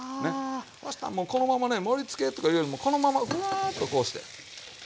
そしたらもうこのままね盛りつけとかいうよりもこのままうわっとこうして。